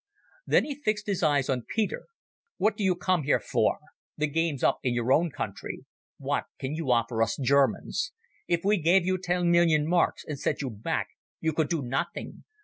Then he fixed his eyes on Peter. "What do you come here for? The game's up in your own country. What can you offer us Germans? If we gave you ten million marks and sent you back you could do nothing.